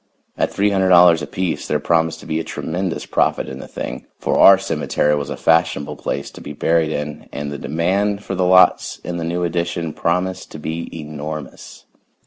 At $300 apiece there promised to be a tremendous profit in the thing, for our cemetery was a fashionable place to be buried in and the demand for the lots in the new addition promised to be enormous.